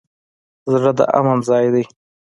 زړه د امن ځای دی.